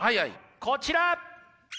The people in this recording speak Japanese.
こちら！